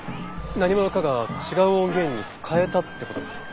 何者かが違う音源に換えたって事ですか？